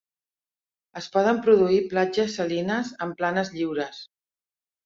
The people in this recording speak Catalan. Es poden produir platges salines en planes lliures.